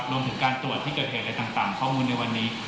รวมถึงการตรวจที่เกิดเหตุอะไรต่างข้อมูลในวันนี้